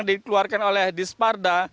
data yang dikeluarkan oleh disparda